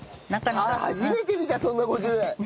初めて見たそんな５０円。